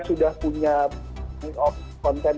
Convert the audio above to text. sudah punya konten